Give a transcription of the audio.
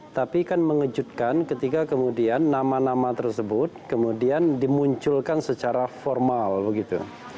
tapi kan mengejutkan ketika kemudian nama nama tersebut kemudian dimunculkan secara formal begitu